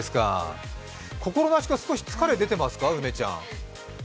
心なしか少し疲れ出てますか、梅ちゃん？